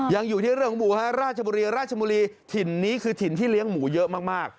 ยังอยู่ที่เรื่องของหมูฮะราชบุรีราชบุรีถิ่นนี้คือถิ่นที่เลี้ยงหมูเยอะมาก